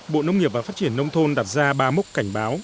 bộ nông nghiệp và phát triển nông thôn đặt ra ba mốc cảnh báo